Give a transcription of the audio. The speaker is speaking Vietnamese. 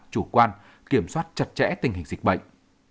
chủ quan kiểm soát chặt chẽ tình hình dịch bệnh